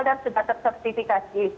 dan sudah tersertifikasi